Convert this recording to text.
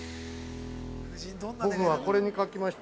◆僕はこれに書きました。